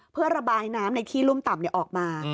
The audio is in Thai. เพื่อระบายน้ำในขี้รุ่มต่ำออกมา